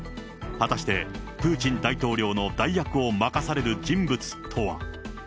果たしてプーチン大統領の代役を任される人物とは。